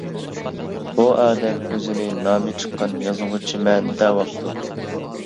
بۇ ئادەم ئۆزىنى نامى چىققان يازغۇچىمەن دەۋاپتۇ.